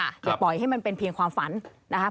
อย่าปล่อยให้มันเป็นเพียงความฝันนะครับ